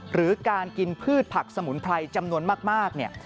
หรือการกินพืชผักสมุนไพรจำนวนมากเนี่ย